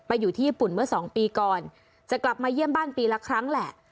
อยู่ที่ญี่ปุ่นเมื่อสองปีก่อนจะกลับมาเยี่ยมบ้านปีละครั้งแหละ